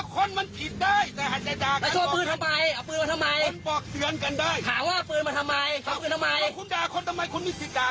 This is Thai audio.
คุณมีสติกว่าเขาได้เหรอ